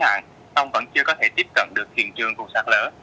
dù đã tăng cường lực lượng cứu nạn xong vẫn chưa có thể tiếp cận được hiện trường vụ sạt lờ